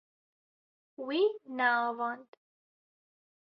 Wî neavand.